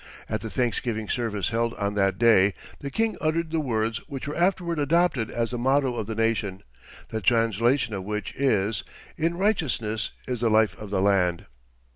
At the thanksgiving service held on that day, the King uttered the words which were afterward adopted as the motto of the nation, the translation of which is: "In righteousness is the life of the land."